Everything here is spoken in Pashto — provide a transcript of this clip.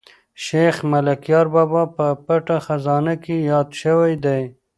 شیخ ملکیار بابا په پټه خزانه کې یاد شوی دی.